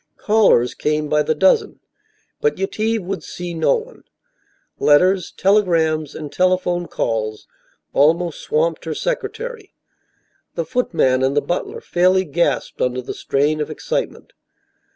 Callers came by the dozen, but Yetive would see no one. Letters, telegrams and telephone calls almost swamped her secretary; the footman and the butler fairly gasped under the strain of excitement.